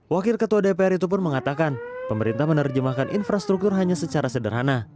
wakil ketua dpr itu pun mengatakan pemerintah menerjemahkan infrastruktur hanya secara sederhana